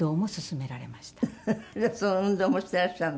じゃあその運動もしていらっしゃるの？